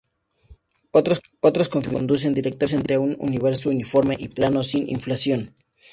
Otras configuraciones conducen directamente a un universo uniforme y plano –sin inflación.